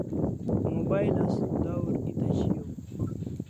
Mobile as dahur eta shiaw